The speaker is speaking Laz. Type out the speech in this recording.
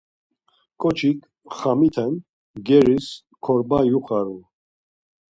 Ǩoçik xamiten mgeris korba yuxaru.